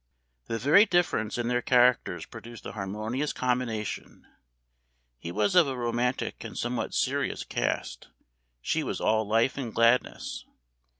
The very difference in their characters produced a harmonious combination; he was of a romantic, and somewhat serious cast; she was all life and gladness.